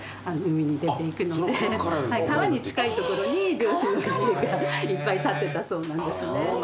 川に近いところに漁師の家がいっぱい建ってたそうなんですね。